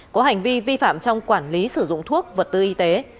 có hành vi vi phạm trong quản lý sử dụng thuốc vật tư y tế